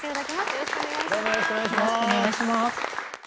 よろしくお願いします。